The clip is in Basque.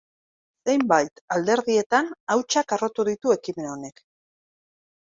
Zenbait alderdietan hautsak harrotu ditu ekimen honek.